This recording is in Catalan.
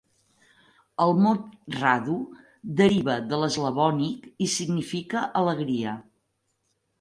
El mot "Radu" deriva de l'eslavònic i significa "alegria".